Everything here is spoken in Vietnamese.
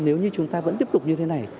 nếu như chúng ta vẫn tiếp tục như thế này